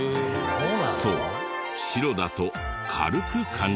そう白だと軽く感じる。